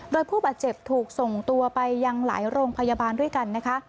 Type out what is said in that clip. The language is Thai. โดยผู้บาดเจ็บถูกส่งตัวไปยังหลายโรงพยาบาลด้วยกันนะคะ